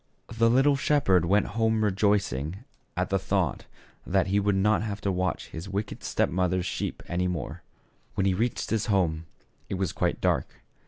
The little shep herd went home rejoicing at the thought that he would not have to watch his wicked step mother's sheep any more. When he reached his home, it was quite dark.